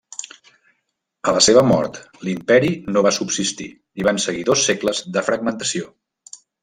A la seva mort l'imperi no va subsistir i van seguir dos segles de fragmentació.